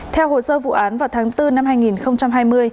theo hồ sơ vụ án vào tháng bốn năm hai nghìn hai mươi